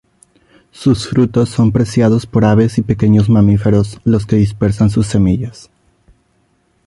Sus frutos son preciados por aves y pequeños mamíferos, los que dispersan sus semillas.